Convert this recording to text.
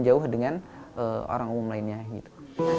jauh dengan orang umum lainnya gitu